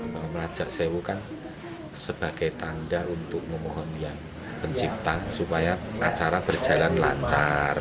mengajak sewu kan sebagai tanda untuk memohon yang pencipta supaya acara berjalan lancar